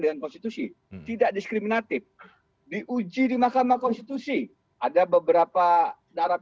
dengan konstitusi tidak diskriminatif diuji di mahkamah konstitusi ada beberapa darat